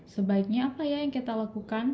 sebaiknya apa ya yang kita lakukan